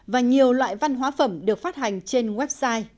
và nhiều loại văn hóa phẩm được phát hành trên website